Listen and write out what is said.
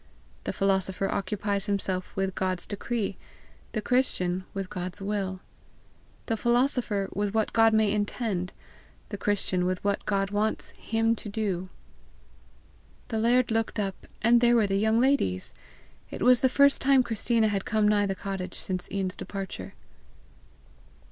The philosopher occupies himself with God's decree, the Christian with God's will; the philosopher with what God may intend, the Christian with what God wants HIM TO DO. The laird looked up and there were the young ladies! It was the first time Christina had come nigh the cottage since Ian's departure.